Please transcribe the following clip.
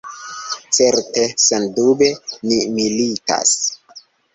Certe, sendube, ni militas.